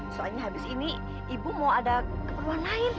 soalnya habis ini ibu mau ada keperluan lain